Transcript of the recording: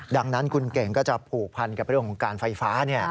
ดังนั้นคุณเก่งก็จะผูกพันกับเรื่องของการไฟฟ้า